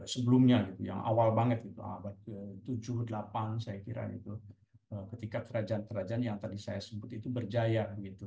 sebelumnya yang awal banget abad ke tujuh delapan saya kira ketika kerajaan kerajaan yang tadi saya sebut itu berjaya